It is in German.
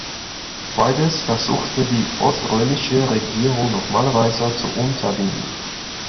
Beides versuchte die oströmische Regierung normalerweise zu unterbinden.